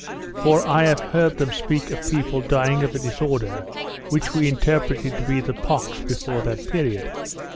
For I have heard them speak of people dying of a disorder which we interpreted to be the pox before that period.